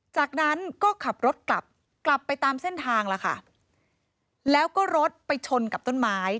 จากนั้นก็ขับรถกลับกลับไปตามเส้นทางล่ะค่ะแล้วก็รถไปชนกับต้นไม้